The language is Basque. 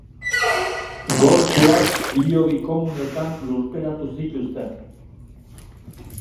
Gorpuak hilobi komunetan lurperatu zituzten.